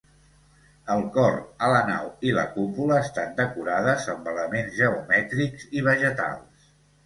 El cor a la nau i la cúpula estan decorades amb elements geomètrics i vegetals.